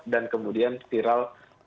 dan kemudian viral di media sosial